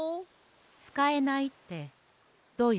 つかえないってどういうこと？